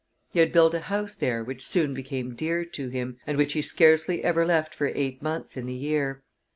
He had built a house there which soon became dear to him, and which he scarcely ever left for eight months in the year.